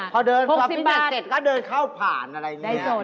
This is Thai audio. พอเดินความพิมัติเสร็จก็เดินเข้าผ่านอะไรอย่างนี้